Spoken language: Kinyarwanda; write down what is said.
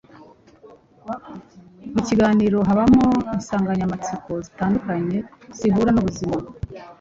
Mu ikinamico habamo insanganyamatsiko zitandukanye zihura n’ubuzima